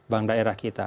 bank daerah kita